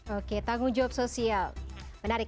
oke tanggung jawab sosial menarik